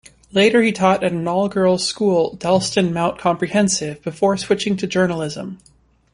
Later he taught at an all-girls school Dalston Mount Comprehensive, before switching to journalism.